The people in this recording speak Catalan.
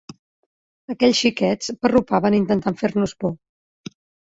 Aquells xiquets parrupaven intentant fer-nos por.